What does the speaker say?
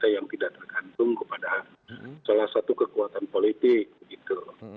yang tidak tergantung kepada salah satu kekuatan politik begitu